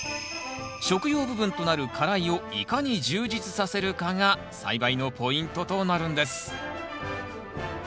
食用部分となる花蕾をいかに充実させるかが栽培のポイントとなるんです